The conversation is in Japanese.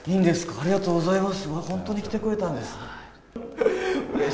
ありがとうございます。